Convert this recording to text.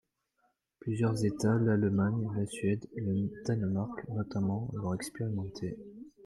Plusieurs États, l’Allemagne, la Suède, le Danemark notamment, l’ont expérimenté.